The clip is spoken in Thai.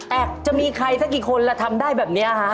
แต่จะมีใครสักกี่คนละทำได้แบบนี้นะฮะ